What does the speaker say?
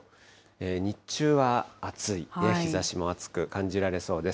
日中は暑い、日ざしも暑く感じられそうです。